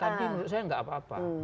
menurut saya tidak apa apa